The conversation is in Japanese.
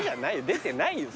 出てないよ